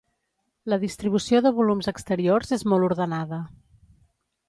La distribució de volums exteriors és molt ordenada.